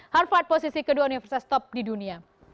harvard posisi kedua universitas top di dunia